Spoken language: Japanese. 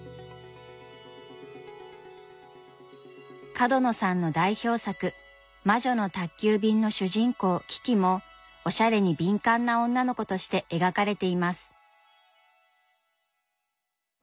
角野さんの代表作「魔女の宅急便」の主人公キキもおしゃれに敏感な女の子として描かれています。